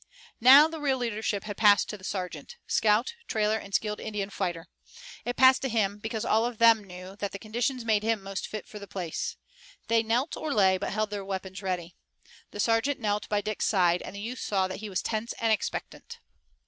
Now the real leadership passed to the sergeant, scout, trailer and skilled Indian fighter. It passed to him, because all of them knew that the conditions made him most fit for the place. They knelt or lay but held their weapons ready. The sergeant knelt by Dick's side and the youth saw that he was tense and expectant.